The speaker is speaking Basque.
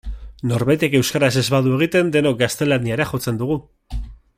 Norbaitek euskaraz ez badu egiten denok gaztelaniara jotzen dugu.